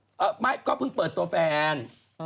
เขาก็เพิ่งเปิดตัวแฟน